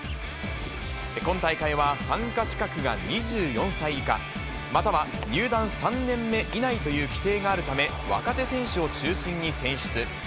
今大会は参加資格が２４歳以下、または入団３年目以内という規定があるため、若手選手を中心に選出。